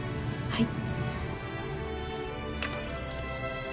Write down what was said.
はい。